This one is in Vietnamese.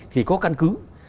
thì có căn cứ